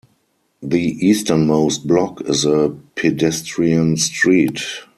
The easternmost block is a pedestrian street.